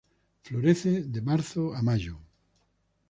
Florece de marzo a mayo.